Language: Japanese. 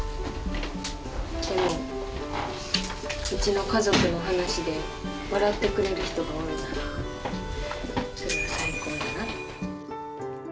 でも、うちの家族の話で笑ってくれる人がおるならそれは最高やなって。